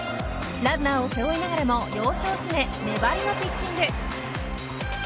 ランナーを背負いながらも要所を締め粘りのピッチング。